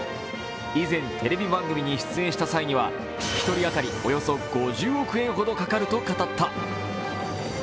以前テレビ番組に出演した際には、１人当たりおよそ５０億円ほどかかると語った。